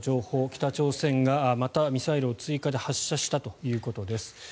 北朝鮮がまたミサイルを追加で発射したということです。